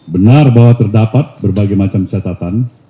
benar bahwa terdapat berbagai macam catatan